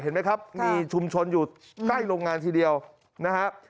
เห็นไหมครับมีชุมชนอยู่ใกล้โรงงานทีเดียวนะครับ